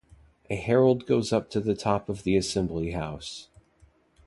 A herald goes up to the top of the assembly-house.